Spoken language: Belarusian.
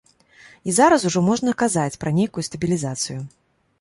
І зараз ужо можна казаць пра нейкую стабілізацыю.